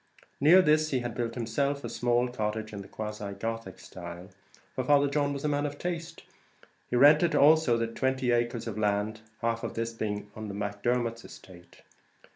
Near this he had built himself a small cottage in the quasi Gothic style, for Father John was a man of taste; he rented also about twenty acres of land, half of this being on the Macdermots' estate.